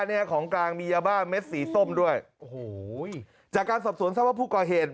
เนี้ยของกลางมียาบ้าเม็ดสีส้มด้วยโอ้โหจากการสอบสวนทราบว่าผู้ก่อเหตุ